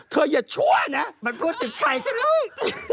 เธอยาชวะนะมันพูดจุดกิจให้ฉันเลย